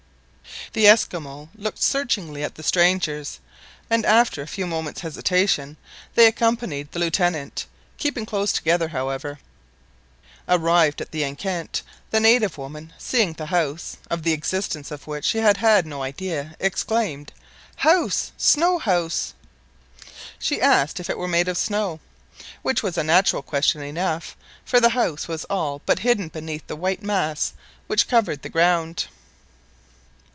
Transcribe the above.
The Esquimaux looked searchingly at the strangers, and after a few moments' hesitation they accompanied the Lieutenant, keeping close together, however: Arrived at the enceinte, the native woman, seeing the house, of the existence of which she had had no idea, exclaimed— "House! snow house!" She asked if it were made of snow, which was a natural question enough, for the house was all but hidden beneath the white mass which covered the ground.